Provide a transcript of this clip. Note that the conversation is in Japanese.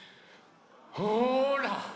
ほら！